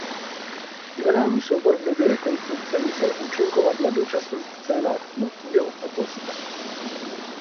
Divadelní soubor v době rekonstrukce musel účinkovat na dočasných scénách Motýl a Tosca.